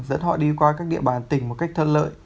dẫn họ đi qua các địa bàn tỉnh một cách thân lợi